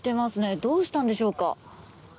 どうしたんでしょうか？